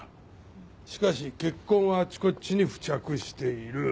しかし血痕はあっちこっちに付着している。